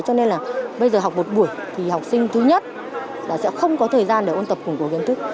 cho nên là bây giờ học một buổi thì học sinh thứ nhất là sẽ không có thời gian để ôn tập củng cố kiến thức